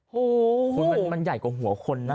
หัวคนนั้นมันใหญ่กว่าหัวคนนะ